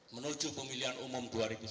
menuju pemilihan umum dua ribu sembilan belas